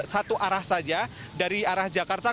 satu arah saja dari arah jakarta